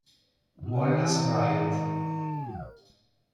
Wallace Bryant